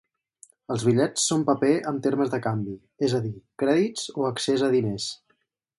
Els bitllets són paper amb termes de canvi, és a dir, crèdits o accés a diners.